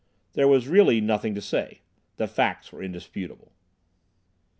There was really nothing to say. The facts were indisputable.